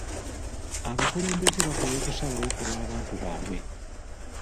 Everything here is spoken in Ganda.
Abakulembeze bakola okusalawo ku lw'abantu baabwe.